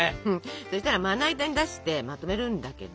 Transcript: そしたらまな板に出してまとめるんだけど。